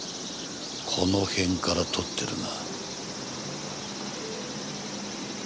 この辺から撮ってるな。